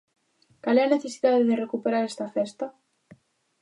Cal é a necesidade de recuperar esta festa?